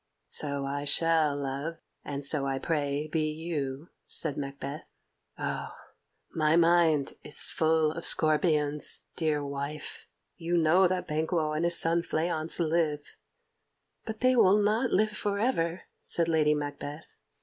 "So I shall, love, and so I pray be you," said Macbeth. "Oh, my mind is full of scorpions, dear wife! You know that Banquo and his son Fleance live." "But they will not live for ever," said Lady Macbeth.